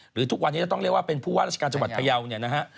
ทุกวันนี้จะต้องเรียกว่าเป็นผู้ว่าราชการจังหวัดพยาวเนี่ยนะฮะ